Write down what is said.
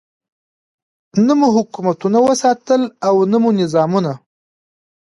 نه مو حکومتونه وساتل او نه مو نظامونه.